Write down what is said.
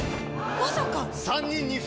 まさか！